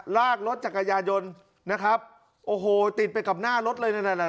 ลากรถจักรยายนต์นะครับโอ้โหติดไปกับหน้ารถเลยนั่นน่ะ